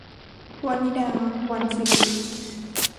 วนิดา - วรรณสิริ